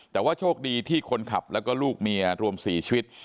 แต่ว่าโชคดีที่คนขับแล้วก็ลูกเมียรวม๔ชีวิต